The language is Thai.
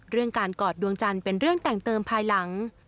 เรื่องการกอดดวงจันทร์เป็นเรื่องแต่งเติมภายหลัง